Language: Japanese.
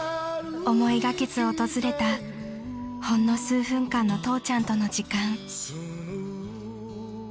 ［思いがけず訪れたほんの数分間の父ちゃんとの時間］